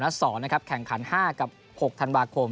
นัดสองแข่งขัน๕กับ๖ธันวาคม